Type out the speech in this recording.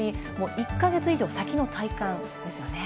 １か月以上先の体感ですよね。